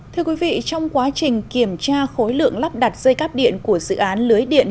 thưa quý vị trong quá trình kiểm tra khối lượng lắp đặt dây cắp điện của dự án lưới điện